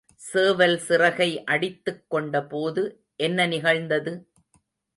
சேவல் சிறகை அடித்துக் கொண்ட போது என்ன நிகழ்ந்தது?